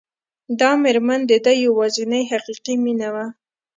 دا مېرمن د ده يوازېنۍ حقيقي مينه وه.